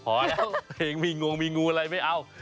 พอแล้วเพลงมีงงมีงูอะไรไม่เอา